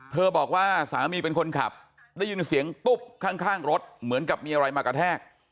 บอกว่าสามีเป็นคนขับได้ยินเสียงตุ๊บข้างรถเหมือนกับมีอะไรมากระแทก